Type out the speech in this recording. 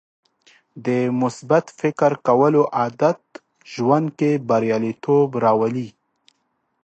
د مثبت فکر کولو عادت ژوند کې بریالیتوب راولي.